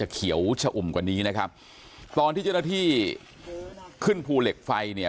เขียวชะอุ่มกว่านี้นะครับตอนที่เจ้าหน้าที่ขึ้นภูเหล็กไฟเนี่ย